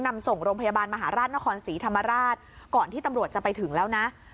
นำส่งโรงพยาบาลมหาราชนครศรีธรรมราชก่อนที่ตำรวจจะไปถึงแล้วนะ